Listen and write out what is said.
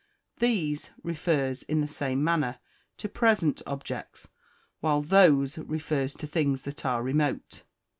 These refers, in the same manner, to present objects, while those refers to things that are remote.